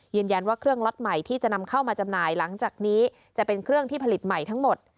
ว่าเครื่องล็อตใหม่ที่จะนำเข้ามาจำหน่ายหลังจากนี้จะเป็นเครื่องที่ผลิตใหม่ทั้งหมด